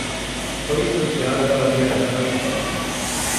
Foi sorteado para viajar ao espaço